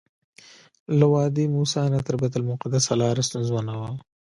له وادي موسی نه تر بیت المقدسه لاره ستونزمنه وه.